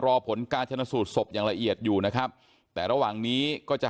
รอผลการชนะสูตรศพอย่างละเอียดอยู่นะครับแต่ระหว่างนี้ก็จะ